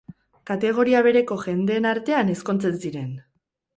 Kategoria bereko jendeen artean ezkontzen ziren!